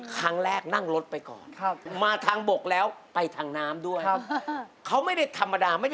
ครั้งแรกนั่งรถไปก่อนเข้ามาทางบกแล้วไปทางน้ำด้วยครับ